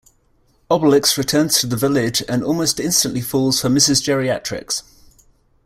Obelix returns to the village and almost instantly falls for Mrs. Geriatrix.